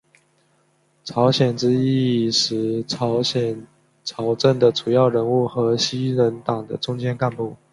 朝鲜之役时朝鲜朝政的主要人物和西人党的中坚干部。